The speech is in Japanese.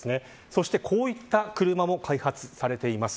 そして、こういった車も開発されています。